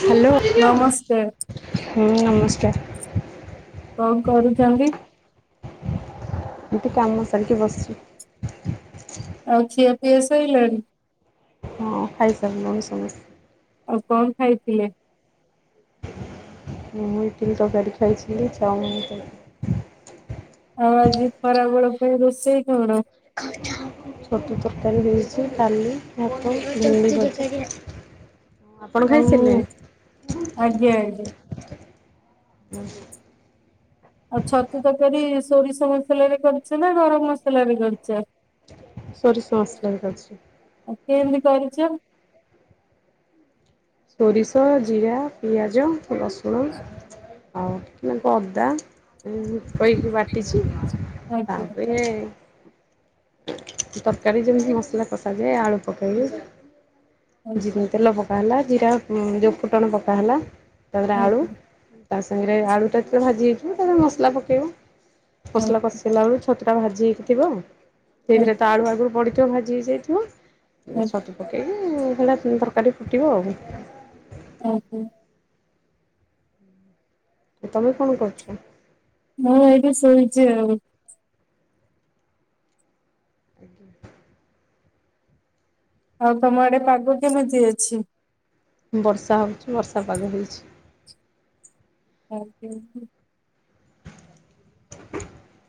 Hello ନମସ୍କାର ହୁଁ ନମସ୍କାର କଣ କଣ ଚାହାଁନ୍ତି? ଏଠି କାମ ସାରିକି ବସିଛି। ଆଉ ଖିଆ ପିଆ ସଇଲାଣି। ହଁ ଖାଇ ସାରିଲୁଣି ସମସ୍ତେ। ଆଉ କଣ ଖାଇଥିଲେ? ମୁଁ ଏଇ ତିନି ତରକାରୀ ଖାଇଥିଲି ଚାମିନ ଖାଇ ଆଉ ଆଜି ଖରାବେଳ ପାଇଁ ରୋଷେଇ କଣ? [unintelligible] ଛତୁ ତରକାରୀ ହେଇଛି ଡାଲି। [unintelligible] ଆପଣ ହଉ ଖାଇସାରିଲେଣି ଆଜ୍ଞା ଆଜ୍ଞା। [inaudible] ଆଉ ଛତୁ ତରକାରୀ ସୋରିଷ ମସଲାରେ କରିଛ ନା ଗରମ ମସଲାରେ କରିଛ। ସେରିଷ ମସଲାରେ କରିଛି। କେମିତି କରିଛ। ସୋରିଷ ଜିରା ପିଆଜ ରସୁଣ ଆଉ ଟିକେ ଅଦା କହିକି ବାଟିଛି ଆଜ୍ଞା ତାପରେ ହଁ। ତରକାରୀ ଯେମିତି ମସଲା କସାଯାଏ ଆଳୁ ପକେଇକି। ଆଜ୍ଞା ଜ ତେଲ ପକା ହେଲା ଜିରା ଯେଉ ଫୁଟୁଣ ପକା ହେଲା। ତାପରେ ଆଳୁ ଆଜ୍ଞା ତା ସାଙ୍ଗରେ ଆଳୁଟା ଭାଜି ହେଇଯିବ ତାପରେ ମସଲା ପକେଇବ। ମସଲା କଷେଇଲା ବେଳକୁ ଛତୁଟା ଭାଜି ହେଇକି ଥିବ ସେଇଥିରେ ତ ଆଳୁ ଆଗୁରୁ ପଡିଥିବ ଭା ଜି ଯାଇଥିବ ଆଜ୍ଞା। ଛତୁ ପକେଇକି ଭଳିଆ ତରକାରୀ ଫୁଟିବ ଆଉ। ଓହଃ। ତମେ ବି କଣ କରୁଛ। ମୁଁ ଏଇଠି ଶୋଇଛି ଆଉ। ଆଜ୍ଞା। ଆଉ ତମ ଆଡେ ପାଗ କେମିତି ଅଛି। ବର୍ଷା ହେଉଛି ବର୍ଷା ପାଗ ହେଇଛି। [unintelligible] [inaudible]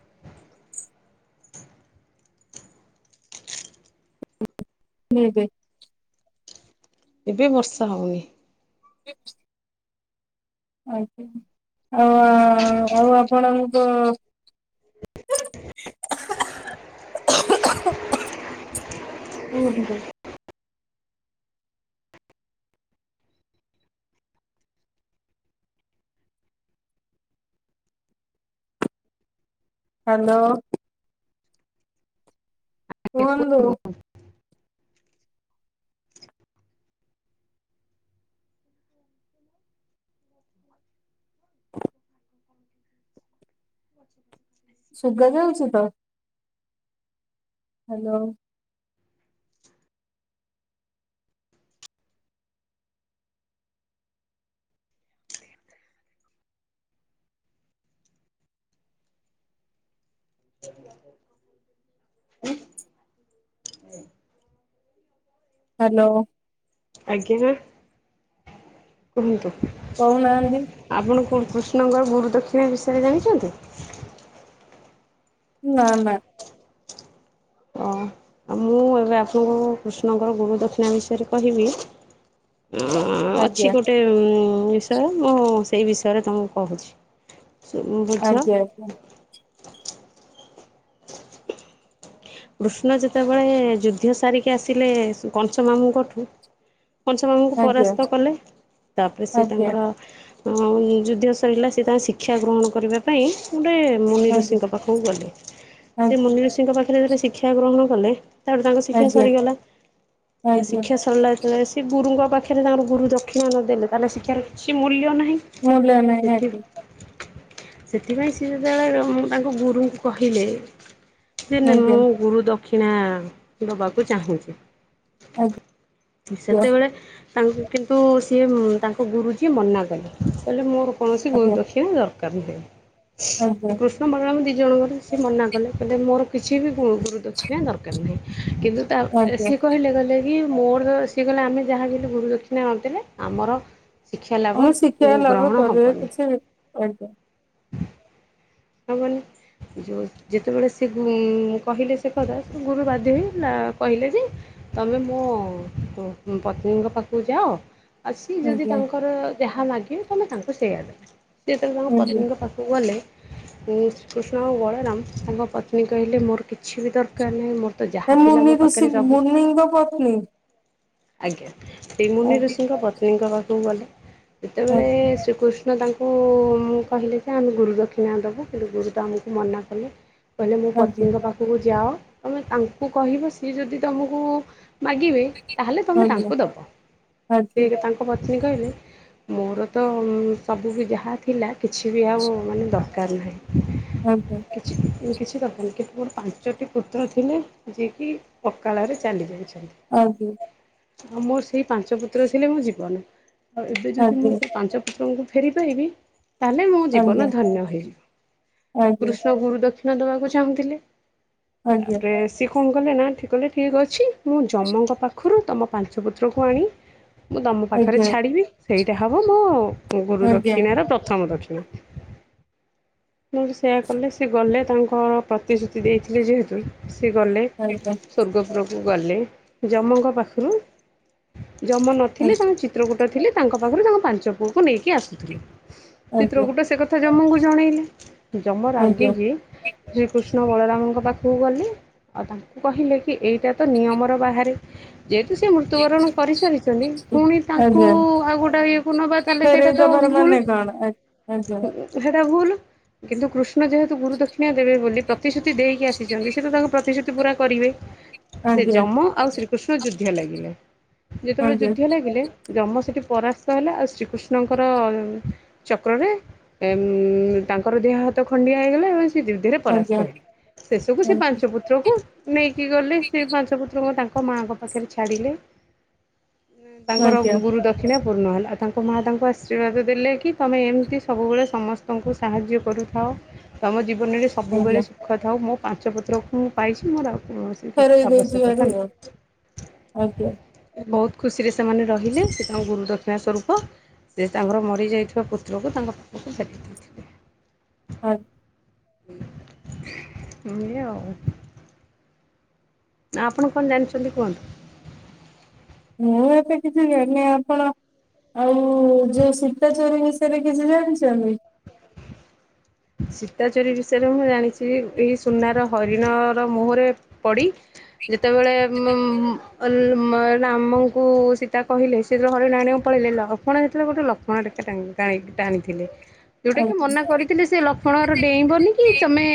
[unintelligible] ଏବେ ବର୍ଷା ହେଉନି। [inaudible] ଆଜ୍ଞା ଆଉ ଆଉ ଆପଣଙ୍କ [unintelligible] ହ୍ୟାଲୋ। କୁହନ୍ତୁ। ହ। [inaudible] ପଛ। [inaudible] ସୁଭା ଯାଉଛି ତ। ହ୍ୟାଲୋ। ହୁଁ। ହ୍ୟାଲୋ। ଆଜ୍ଞା କୁହନ୍ତୁ। କହୁନାହାନ୍ତି ଆପଣ କୃଷ୍ଣଙ୍କ ଗୁରୁ ଦକ୍ଷିଣା ବିଷୟରେ ଜାଣିଛନ୍ତି। ନାଁ ନାଁ। ଓ ମୁଁ ଏବେ ଆପଣଙ୍କୁ କୃଷ୍ଣଙ୍କର ଗୁରୁ ଦକ୍ଷିଣା ବିଷୟରେ କହିବି। ଉଁ ଅଛି ଆଜ୍ଞା ଗୋଟେ ବିଷୟ ମୁଁ ସେଇ ବିଷୟରେ ତମକୁ କହୁଛି। ବୁଝ। ଆଜ୍ଞା। କୃଷ୍ଣ ଯେତେବେଳେ ଯୁଦ୍ଧ ସାରିକି ଆସିଲେ କ କଂସ ମାମୁଁଙ୍କଠୁ। କଂସ ମାମୁଁଙ୍କୁ ଆଜ୍ଞା ପରାସ୍ତ କଲେ ତାପରେ ସି ଆଜ୍ଞା ତାଙ୍କର ହଁ ଯୁଦ୍ଧ ସରିଲା ସେ ତାଙ୍କ ଶିକ୍ଷା ଗ୍ରହଣ କରିବାକୁ ସେଥିପାଇଁ ଗୋଟେ ମୁନି ଆଜ୍ଞା ଋଷିଙ୍କ ପାଖକୁ ଗଲେ ସେ ଆଜ୍ଞା ମୁନି ଋଷିଙ୍କ ପାଖରେ ହେଟା ସେ ଶିକ୍ଷା ଗ୍ରହଣ କଲେ ତାପରେ ତାଙ୍କ ଶିକ୍ଷା ଆଜ୍ଞା ସରିଗଲା ଆଜ୍ଞା ଶିକ୍ଷା ସରିଲା ଯେତେବେଳେ ସେ ସେ ଗୁରୁଙ୍କ ପାଖେରେ ତାଙ୍କର ଗୁରୁ ଦକ୍ଷିଣା ନ ଦେଲେ ତା ହେଲେ ଶିକ୍ଷାର କିଛି ମୂଲ୍ୟ ନାହିଁ। ମୁଲ୍ୟ ନାହି ନା ସେଥି ହେଟି। ସେଥିପାଇଁ ସିଏ ଯେତେବେଳେ ଉଁ ତାଙ୍କ ଗୁରୁଙ୍କୁ କହିଲେ ସେନ ଆଜ୍ଞା ମୁଁ ଗୁରୁ ଦକ୍ଷିଣା ଦବାକୁ ଚାହୁଁଚି। ଆଜ୍ଞା ସେତେବେଳେ ତାଙ୍କୁ କିନ୍ତୁ ସିଏ ତାଙ୍କ ଗୁରୁଜି ମନା କଲେ କହିଲେ ମୋର କୌଣସି ଗୁରୁ ଆଜ୍ଞା ଆଜ୍ଞା ଦକ୍ଷିଣା ଦରକାର ନାହିଁ ଆଜ୍ଞା ଶ୍ରୀକୃଷ୍ଣ ତମ କଣ ଆମ ଦି ଜଣଙ୍କ ଠୁ ସେ ମନା କଲେ କହିଲେ ମୋର କିଛି ବି ଗୁ ଗୁରୁ ଦକ୍ଷିଣା ଦରକାର ନାହିଁ କିନ୍ତୁ ତା ଏ ଆଜ୍ଞା ସିଏ କହିଲେ କହିଲେ କି ମୋର ସିଏ କହିଲେ ଆମେ ଯାହାବି ହେଲେ ଗୁରୁ ଦକ୍ଷିଣା ନଦେଲେ ଆମର ଶିକ୍ଷା ଲାଭ କୌଣସି ଶିକ୍ଷା ଲାଭ ଗ୍ରହଣ କରିବେ ହେବନି କିଛି କରିପାରେ ତା ମାନେ ଯୋଉ ଯେତେବେଳେ ସେ ଉଁ କହିଲେ ସେ କଥା ଗୁରୁ ବାଧି ହେଇ ନାଁ କହିଲେ ଯେ ତମେ ମୋ ପତ୍ନୀଙ୍କ ପାଖକୁ ଯାଅ ଆସି ଯଦି ଆଜ୍ଞା ତାଙ୍କର ଯାହା ମାଗିବେ ତମେ ତାଙ୍କୁ ସେୟା ଦବ। ସେ ଯେତେବେଳେ ତାଙ୍କ ଆଜ୍ଞା ପତ୍ନୀଙ୍କ ପାଖକୁ ଗଲେ। ଉଁ ଶ୍ରୀକୃଷ୍ଣ ଆଉ ବଳରାମ ତାଙ୍କ ପତ୍ନୀ କହିଲେ ମୋର କିଛି ବି ଦରକାର୍ ନାହିଁ ମୋର ତ ଏ ଯାହା ଥିଲା ମୋ ମୁନି ଋଷି ପାଖରେ ସବୁ ମୁନିଙ୍କ ପତ୍ନୀ। ଆଜ୍ଞା ସେ ଆଜ୍ଞା ମୁନିଋଷିଙ୍କ ପତ୍ନୀଙ୍କ ପାଖୁକୁ ଗଲେ। ଯେତେବେଳେ ଆଜ୍ଞା ଶ୍ରୀକୃଷ୍ଣ ତାଙ୍କୁ କହିଲେ ଉମ ଯେ ଆମେ ଗୁରୁଦକ୍ଷିଣା ଦକ୍ଷିଣା ଦେବୁ କିନ୍ତୁ ଗୁରୁ ତ ଆମକୁ ମନା କଲେ କହିଲେ ମୋ ଆଜ୍ଞା ପତ୍ନୀଙ୍କ ପାଖୁକୁ ହୋଉ ଯାଅ ତମେ ତାଙ୍କୁ କହିବ ସିଏ ଯଦି ତୁମକୁ ମାଗିବେ ତାହେଲେ ତମେ ଆଜ୍ଞା ତାଙ୍କୁ ଦବ ସେ ଆଜ୍ଞା ତାଙ୍କ ତାଙ୍କ ପତ୍ନୀ କହିଲେ ମୋର ତ ସବୁ ବି ଯାହା ଥିଲା କିଛି ବି ଆଉ ମାନେ ଦରକାର୍ ପାରି ନାହିଁ। ଆଜ୍ଞା। କିଛି କିଛି ଦରକାର ନାହିଁ କିନ୍ତୁ ମୋର ପାଞ୍ଚଟି ପୁତ୍ର ଥିଲେ ଯେ କି ଅକାଳରେ ଚାଲି ଯାଇଚନ୍ତି। ଆଜ୍ଞା। ଆଉ ମୋର ସେଇ ପାଞ୍ଚ ପୁତ୍ର ଥିଲେ ମୋ ଜୀବନ ଆଉ ଏବେ ଯଦି ମୁଁ ଆଜ୍ଞା ସେ ପାଞ୍ଚ ଆପଣଙ୍କୁ ଫେରି ପାଇବି ତା ହେଲେ ମୋ ଆଜ୍ଞା ଆଜ୍ଞା ଜୀବନ ଧନ୍ୟ ହେଇଯିବ। ଆଜ୍ଞା। ଏ ଗୁରୁ ଦକ୍ଷିଣା ଦବାକୁ ଚାହୁଁଥିଲେ ଆଜ୍ଞା ତାପରେ ସିଏ କଣ କଲେ ନାଁ ଠିକ୍ ଠିକ୍ ଅଛି ମୁଁ ଜମଙ୍କ ପାଖରୁ ତୁମ ପାଞ୍ଚପୁତ୍ରକୁ ଆଣି ମୁଁ ତମ ପାଖରେ ଆଜ୍ଞା ଛାଡ଼ିବି ସେଇଟା ହବ ମୋ ଗୁରୁ ଆଜ୍ଞା ଦକ୍ଷିଣାର ପ୍ରଥମ ଦକ୍ଷିଣା। ମୋର ସେୟା କଲେ ସେ ଗଲେ ତାଙ୍କ ପ୍ରତିଶ୍ରୁତି ଦେଇଥିଲେ ଯେହେତୁ ସେ ଗଲେ। ଆଜ୍ଞା ସ୍ୱର୍ଗପୁରକୁ ଗଲେ ଯମଙ୍କ ପାଖରେ ଯମ ନଥିଲେ ତାଙ୍କ ଚି ଚିତ୍ରକୂଟ ଥିଲେ ତାଙ୍କ ପାଖରୁ ତାଙ୍କ ପାଞ୍ଚ ପୁଅକୁ ନେଇକି ଆସିଥିଲେ ଚିତ୍ର ଆଜ୍ଞା କୂଟ ସେ କଥା ଜମକୁ ଜଣେଇଲେ ଯମ ଆଜ୍ଞା ଆଜ୍ଞା ରାଗିିକି ଶ୍ରୀକୃଷ୍ଣ ବଳରାମଙ୍କ ପାଖୁକୁ ଗଲେ ଆଉ ତାଙ୍କୁ କହିଲେ କି ଏଇଟା ତ ନିୟମର ବାହାରେ। ଯେହେତୁ ସେ ମୃତ୍ୟୁବରଣ କରିସାରିଛନ୍ତି ଫୁଣି ତାଙ୍କୁ ଆଜ୍ଞା ଆଉ ଗୋଟେ ଇଏକୁ ନବା ତାହେଲେ ସେଇଟା ଫେରେଇ ତ ଦବାର ଭୁଲୁ। ମାନେ କଣ ଆ- ଆଜ୍ଞା ହେଟା ଭୁଲୁ କିନ୍ତୁ କୃଷ୍ଣ ଯେହେତୁ ଗୁରୁ ଦକ୍ଷିଣା ଦେବେ ବୋଲି ପ୍ରତିଶ୍ରୁତି ଦେଇକି ଆସିଛନ୍ତି ସେ ତ ତାଙ୍କ ପ୍ରତିଶ୍ରୁତି ପୁରା କରିବେ ସେ ଆଜ୍ଞା ଜମ ଆଉ ଶ୍ରୀକୃଷ୍ଣ ଯୁଧ୍ୟ ଲାଗିଲେ ଯେତେବେଳେ ଆଜ୍ଞା ଯୁଧ୍ୟ ଲାଗିଲେ ଜମ ସେଠି ପରାସ୍ତ ହେଲା ଆଉ ଶ୍ରୀକୃଷ୍ଣଙ୍କର ଚକ୍ରରେ ତାଙ୍କର ଦେହ ହାତ ଖଣ୍ଡିଆ ହେଇଗଲା ରେ ପରାସ୍ତ ଆଜ୍ଞା ହେଲେ ଶେଷକୁ ସେ ଆଜ୍ଞା ପାଞ୍ଚ ପୁତ୍ରକୁ ନେଇକି ଗଲେ ସେ ପାଞ୍ଚପୁତ୍ରଙ୍କୁ ତାଙ୍କ ମାଆଙ୍କ ପାଖରେ ଛାଡିଲେ। ତାଙ୍କର ଆଜ୍ଞା ଗୁରୁ ଦ ଦକ୍ଷିଣା ପୂର୍ଣ୍ଣ ହେଲା ତାଙ୍କ ମାଆ ତାଙ୍କୁ ଆଶୀର୍ବାଦ ଦେଲେ କି ତମେ ଏମିତି ସବୁବେଳେ ସମସ୍ତଙ୍କୁ ସାହାଯ୍ୟ କରୁଥାଉ ତମ ଜୀବନରେ ଆଜ୍ଞା ସବୁବେଳେ ସୁଖଥାଉ ମୋ ପାଞ୍ଚ ପତ୍ରକୁ ପାଇଚି ମୋର ଆଉକୋଣସି ଖରୋଇ ଦେଇଛିିବ ଆଉ ଆଜ୍ଞା [unintelligible] ବହୁତ ଖୁସି ରେ ସେମାନେ ରହିଲେ ସେ ତାଙ୍କ ଗୁରୁ ଦକ୍ଷିଣା ସ୍ୱରୂପ ସେ ତାଙ୍କର ମରିଯାଇଥିବା ପୁତ୍ରକୁ ତାଙ୍କ ପାଖକୁ ହଁ। ମୁଉ [unintelligible] ନା ଆପଣ କଣ ଜାଣିଚନ୍ତି କୁହନ୍ତୁ? ମୁଁ ଏବେ କିଛି ଜାଣିନି ଆପଣ ଆଉ ଯୋଉ ସୀତାଚୋରୀ ବିସ ସେରା କିଛି ଜାଣିଚନ୍ତି? ସୀତାଚୋରି ବିଷୟରେ ମୁଁ ଜାଣିଚି ଏହି ସୁନାର ହରିଣର ମୋହ ରେ ପଡ଼ି ଯେତେବେଳେ ରାମଙ୍କୁ ସୀତା କହିଲେ ସେ ଯେତେବେଳେ ହରିଣ ଆଣିବାକୁ ପଳେଇଲେ ଲକ୍ଷ୍ମଣ ଯେତବେଳେ ଗୋଟେ ଲକ୍ଷ୍ମଣ ରେଖା ଟାଣିଲେ। ଟାଣି ଟାଣିଥିଲେ। [inaudible] ଯଉଟା କି ମନା କରି ସେ ଲକ୍ଷ୍ମଣ ଗାର ଡେଇଁବନି କି ତମେ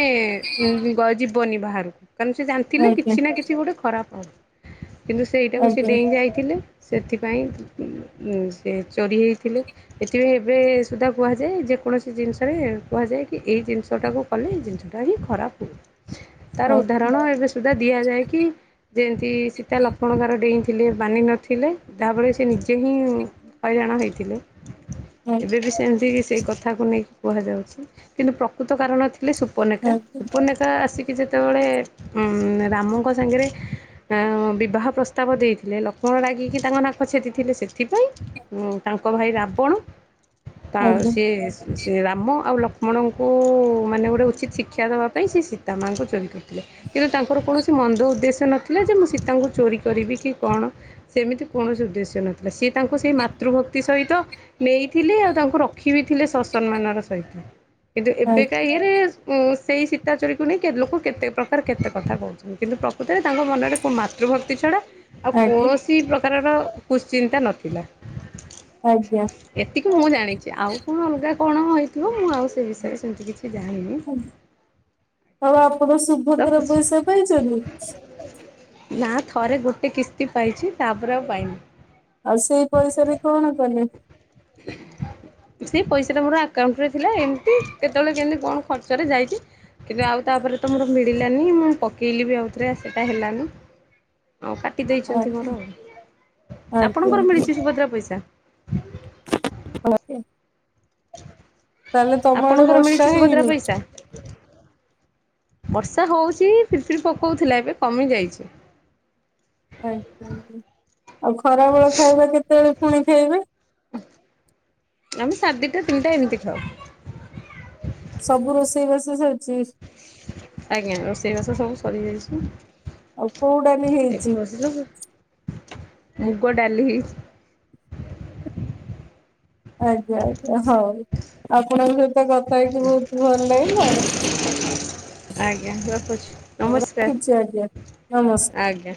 ଗ ଯିବନି ବାହାରକୁ। କାରଣ ସେ ଜାଣିଥିଲେ ଆଜ୍ଞା କିଛି ନା କିଛି ଗୋଟେ ଖରାପ ହବ କିନ୍ତୁ ସେଇଟାକୁ ସେ ଆଜ୍ଞା ଡେଇଁ ଯାଇ ଥିଲେ ସେଥିପାଇଁ ସେ ଚୋରି ହେଇଥିଲେ ଏଥିପାଇଁ ଏବେ ସୁଧା କୁହାଯାଏ ଯେକୌଣସି ଜିନିଷରେ କୁହାଯାଏ କି ଏଇ ଜିନିଷଟାକୁ କଲେ ଏ ଜିନିଷଟା ହିଁ ଖରାପ ହୁଏ। ତାର ଆଉ ଉଦାହରଣ ଏବେ ସୁଧା ଦିଆଯାଏ କି ଯେମିତି ସୀତା ଲକ୍ଷ୍ମଣଙ୍କ ଡେଇଁ ଥିଲେ ମାନିନଥିଲେ ଯାହାଫଳରେ ସେ ନିଜେ ହିଁ ହଇରାଣ ହେଇଥିଲେ। ଆଜ୍ଞା ଏବେ ବି ସେମିତି ସେଇ କଥାକୁ ନେଇକି କୁହାଯାଉଚି କିନ୍ତୁ ପ୍ରକୃତ କାରଣ ଥିଲେ ସୁ ଉପନେକା ଆଜ୍ଞା ଉପନେକା ଆସିକି ଯେତେବେଳେ ରାମଙ୍କ ସାଙ୍ଗରେ ଆ ବିବାହ ପ୍ରସ୍ତାବ ଦେଇଥିଲେ ଲକ୍ଷ୍ମଣ ରାଗିକି ତାଙ୍କ ନାକ ଛେଦିଥିଲେ ସେଥିପାଇଁ ତାଙ୍କ ଭାଇ ରାବଣ ତା ସେ ସେ ରାମ ଆଉ ଲକ୍ଷ ଲକ୍ଷ୍ମଣ ଙ୍କୁ ମାନେ ଗୋଟେ ଉଚିତ୍ ଶିକ୍ଷା ଦେବା ପାଇଁ ସେ ସୀତା ମାଙ୍କୁ ଚୋରି କରିଥିଲେ। କିନ୍ତୁ ତାଙ୍କର କୌଣସି ମନ୍ଦ ଉଦ୍ଦେଶ୍ୟ ନଥିଲା ଯେ ମୁଁ ସୀତାଙ୍କୁ ଚୋରି କରିବି କି କଣ? ସେମିତି କୌଣସି ଉଦ୍ଦେଶ୍ୟ ନଥିଲା ସି ତାଙ୍କୁ ସେଇ ମାତୃଭକ୍ତି ସହିତ ନେଇଥିଲି ଆଉ ତାଙ୍କୁ ରଖି ବିି ଥିଲେ ସସମ୍ମାନର ସହିତ। କିନ୍ତୁ ଆଜ୍ଞା ଏବେକା ଇଏରେ ସେଇ ସୀତା ଚୋରିକୁ ନେଇ ଲୋକ କେତେ ପ୍ରକାର କେତେ କଥା କହୁଛନ୍ତି କିନ୍ତୁ ପ୍ରକୃତରେ ତାଙ୍କ ମନରେ କୁ ମାତୃ ମାତୃଭକ୍ତି ଛଡ଼ା ଆଉ ଆଜ୍ଞା କୌଣସି ପ୍ରକାରର କୁଶ୍ଚିନ୍ତା ନଥିଲା। ଆଜ୍ଞା। ଏତିକି ମୁଁ ଜାଣିଚି ଆଉ କଣ ଅଲଗା କଣ ହେଇଥିବ ମୁଁ ଆଉ ସେ ବିଷୟରେ ସେମିତି କିଛି କି ଜାଣିନି ଆଉ ଆପଣ ସୁଭଦ୍ରା ରଖୁଛି ପଇସା ପାଇଚନ୍ତି? ନା ଥରେ ଗୋଟେ କିସ୍ତି ପାଇଚି ତାପରେ ଆଉ ପାଇନି। ଆଉ ସେଇ ପଇସାରେ କଣ କଲେ? ସେ ପଇସା ଟା ମୋର ଆକାଉଣ୍ଟ ରେ ଥିଲା ଏମ୍ କେତବଳେ କେନ୍ତି କଣ ଖର୍ଚ୍ଚରେ ଯାଇଚି। କିନ୍ତୁ ଆଉ ତାପରେ ତ ମୋର ମିଳିଲାନି ମୁଁ ପକେଇଲି ବି ଆଉଥରେ ସେଟା ହେଲାନି। ଆଉ କାଟି ଦେଇଚନ୍ତି ଆଜ୍ଞା ମୋର ଆଉ ଆଜ୍ଞା ଆପଣଙ୍କର ଆଜ୍ଞା ମିଳିଚି ସୁଭଦ୍ରା ପଇସା? ଅଛି ତମ ଆଡେ ଆପଣଙ୍କର ବର୍ଷା ମିଳିଚି ସୁଭଦ୍ରା ହେଇନି ପଇସା? ବର୍ଷା ହଉଚି ଫିର ଫିରି ପକଉଥିଲା ଏବେ କମି ଯାଇଚି। ଆଉ ଖରାବେଳ ଖାଇବା କେତେବେଳେ ଫୁଣି ଖାଇବେ? ଆମେ ସାଢ଼େ ଦିଟା ତିନିଟା ଏମତି ଖାଉ। ସବୁ ରୋଷେଇ ବାଷ ସରଚିସ୍? ଆଜ୍ଞା ରୋଷେଇ ବାଷ ସବୁ ଆଉ ସରିଯାଇଚି। କୋଉ ଡାଲି ଏଠି ହେଇଛି ବସିଚୁ ତୁ? ମୁଗ ଡାଲି ହେଇଚ ଆଜ୍ଞା ଆଜ୍ଞା ହଉ ଆପଣଙ୍କ ସହିତ କଥା ହେଇକି ହେଇଛି। ବହୁତୁ ଭଲ ଲାଗିଲା। ଆଜ୍ଞା ରଖୁଛି ନମସ୍କାର ରଖୁଚି ଆଜ୍ଞା ନମସ ଆଜ୍ଞା।